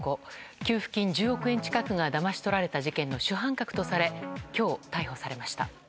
給付金１０億円近くがだまし取られた事件の主犯格とされ今日逮捕されました。